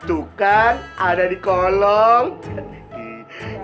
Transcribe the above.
tuh kan ada di kolong kasus